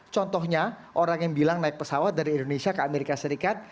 contohnya orang yang bilang naik pesawat dari indonesia ke amerika serikat